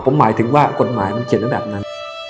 เพราะหมายถึงว่ากฎหมายมันเขียนระดับนั้น